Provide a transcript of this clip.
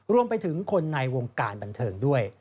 รวมไปถึงคนในวงการบันเทิงด้วย